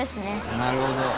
「なるほど。